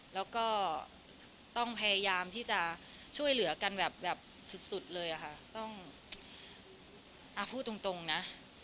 แล้วก็ต้องพยายามที่จะช่วยเหลือกันแบบสุดเลยอะค่ะต้องพูดตรงนะ